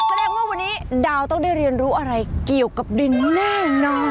แสดงว่าวันนี้ดาวต้องได้เรียนรู้อะไรเกี่ยวกับดินแน่นอน